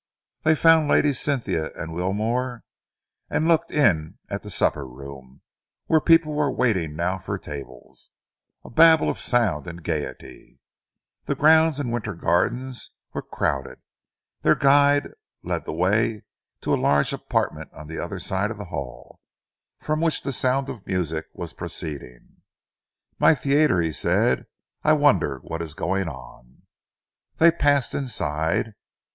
They found Lady Cynthia and Wilmore, and looked in at the supper room, where people were waiting now for tables, a babel of sound and gaiety. The grounds and winter gardens were crowded. Their guide led the way to a large apartment on the other side of the hall, from which the sound of music was proceeding. "My theatre," he said. "I wonder what is going on." They passed inside.